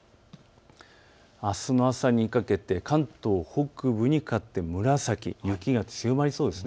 あすの朝にかけて関東北部にかかって、紫、雪が強まりそうです。